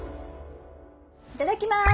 いただきます。